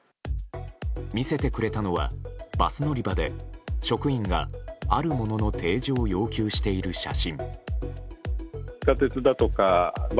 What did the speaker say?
見せてくれたのは、バス乗り場で職員があるものの提示を要求している写真。